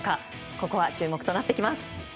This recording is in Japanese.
ここは注目となってきます。